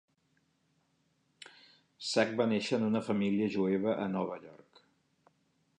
Sack va néixer en una família jueva a Nova York.